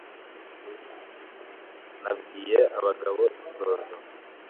nabwiye abagabo inzoza